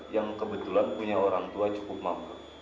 yang kebetulan punya orang tua cukup mampu